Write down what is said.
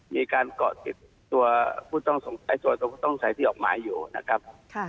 มีการเกาะติดตัวผู้ต้องสงสัยส่วนตัวผู้ต้องใส่ที่ออกหมายอยู่นะครับ